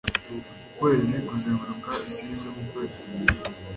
Ukwezi kuzenguruka isi rimwe mu kwezi.